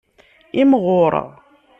Imɣur.